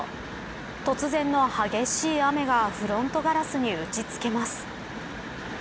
突然の激しい雨がフロントガラスに打ち付けます。